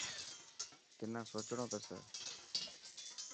تنان سوچڻو پيسي.